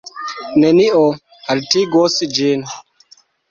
Nenio haltigos ĝin.